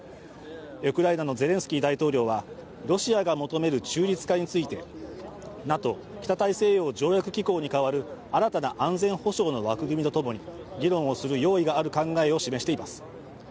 ウクライナのゼレンスキー大統領はロシアが求める中立化についてＮＡＴＯ＝北大西洋条約機構に代わる新たな安全保障の枠組みとともに議論をする用意がある考えを示しています。